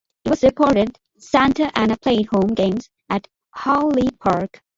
It was reported Santa Ana played home games at Hawley Park.